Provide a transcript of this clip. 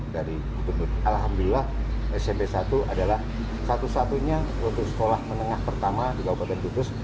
dari alhamdulillah smp satu adalah satu satunya untuk sekolah menengah pertama di kabupaten kudus